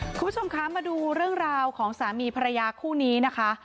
คุณผู้ชมคะมาดูเรื่องราวของสามีภรรยาคู่นี้นะคะ